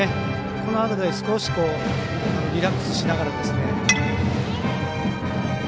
この辺り少しリラックスしながら。